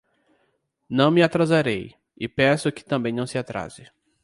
Não me atrasarei, e peço que também não se atrase